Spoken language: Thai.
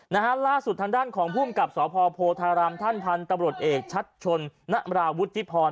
นะฮะล่าสุดทางด้านของภูมิกับสพโพธารามท่านพันธุ์ตำรวจเอกชัดชนนราวุฒิพร